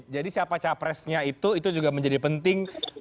jadi siapa capresnya itu itu juga menjadi penting